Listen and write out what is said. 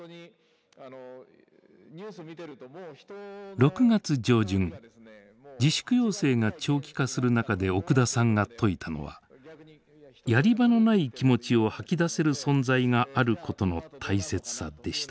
６月上旬自粛要請が長期化する中で奥田さんが説いたのはやり場のない気持ちを吐き出せる存在があることの大切さでした。